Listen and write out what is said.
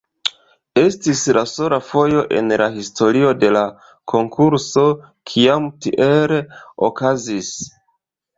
Estis la sola fojo en la historio de la konkurso kiam tiele okazis.